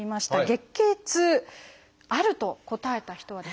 月経痛「ある」と答えた人はですね